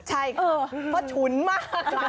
ใช่ค่ะเพราะฉุนมาก